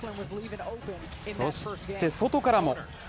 そして、外からも。